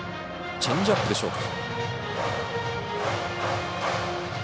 チェンジアップでしょうか。